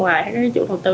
hoặc là các chủ thông tư